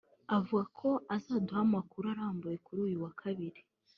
avuga ko azaduha amakuru arambuye kuri uyu wa kabiri